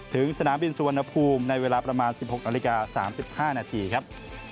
สนามบินสุวรรณภูมิในเวลาประมาณ๑๖นาฬิกา๓๕นาทีครับ